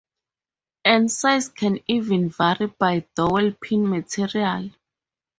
And size can even vary by dowel pin material.